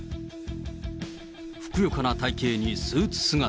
ふくよかな体形にスーツ姿。